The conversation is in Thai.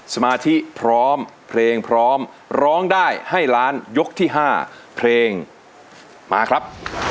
สมาธิพร้อมเพลงพร้อมร้องได้ให้ล้านยกที่๕เพลงมาครับ